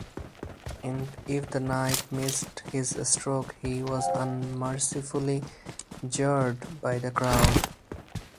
If the knight missed his stroke he was unmercifully jeered by the crowd.